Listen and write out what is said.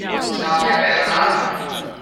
到台北了嗎？